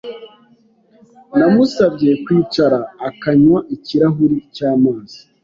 Namusabye kwicara akanywa ikirahuri cy'amazi.